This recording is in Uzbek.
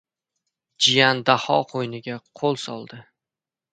Jiyan Daho qo‘yniga qo‘l soldi: